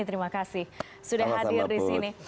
terima kasih sudah hadir di sini